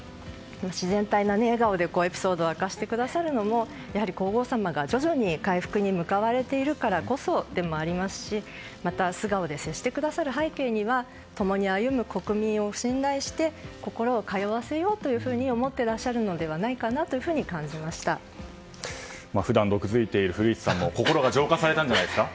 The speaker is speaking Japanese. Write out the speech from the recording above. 自然体の笑顔でエピソードを明かしてくださるのもやはり皇后さまが徐々に回復に向かわれているからこそでもありますしまた、素顔で接してくださる背景には共に歩む国民を信頼して、心を通わせようと思ってらっしゃるのではないかと普段、毒づいている古市さんも心が浄化されたんじゃないですか？